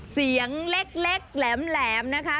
เสียงเล็กแหลมนะคะ